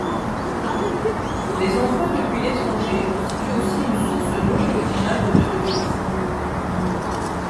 Les envois depuis l'étranger constituent aussi une source non négligeable de devises.